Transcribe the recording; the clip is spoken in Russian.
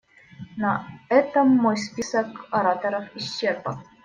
На этом мой список ораторов исчерпан.